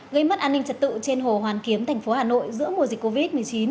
gây mất an ninh trật tự trên hồ hoàn kiếm thành phố hà nội giữa mùa dịch covid một mươi chín